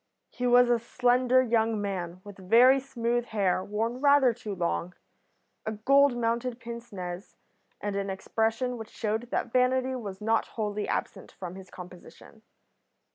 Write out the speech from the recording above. He was a slender young man, with very smooth hair worn rather too long, a gold mounted pince nez, and an expression which showed that vanity was not wholly absent from his composition.